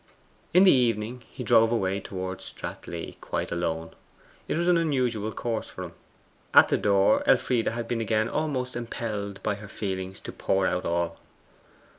In the evening he drove away towards Stratleigh, quite alone. It was an unusual course for him. At the door Elfride had been again almost impelled by her feelings to pour out all.